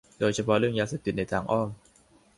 โดยเฉพาะเรื่องยาเสพติดในทางอ้อม